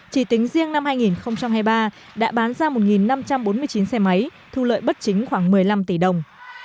chỉ tính riêng năm hai nghìn hai mươi ba đã bán ra một năm trăm bốn mươi chín xe máy thu lợi bất chính khoảng một mươi năm tỷ đồng